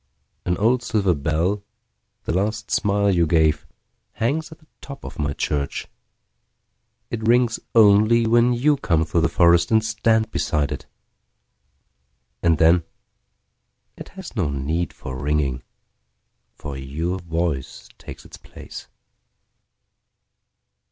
An old silver bell, the last smile you gave, Hangs at the top of my church.It rings only when you come through the forestAnd stand beside it. And then, it has no need for ringing, For your voice takes its place.